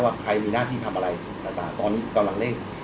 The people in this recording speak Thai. ใครมีหน้าที่ทำอะไรต่างตอนนี้กำลังเร่ง